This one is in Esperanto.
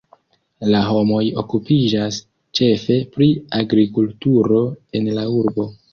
La homoj okupiĝas ĉefe pri agrikulturo en la urbo.